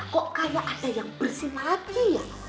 kok kayak ada yang bersin lagi ya